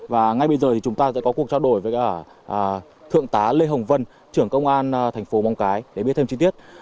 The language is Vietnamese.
và ngay bây giờ chúng ta sẽ có cuộc trao đổi với thượng tá lê hồng vân trưởng công an thành phố mong cái để biết thêm chi tiết